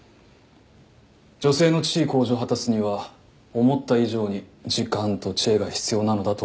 女性の地位向上を果たすには思った以上に時間と知恵が必要なのだと思う。